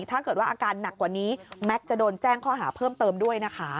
ถ้าเกิดว่าอาการหนักกว่านี้แม็กซ์จะโดนแจ้งข้อหาเพิ่มเติมด้วยนะคะ